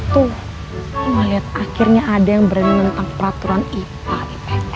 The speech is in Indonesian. tuh aku melihat akhirnya ada yang berenang tentang peraturan ipa di pps